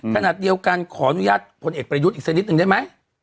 ขณะเดียวกันขออนุญาตพลเอกประยุทธ์อีกสักนิดนึงได้ไหม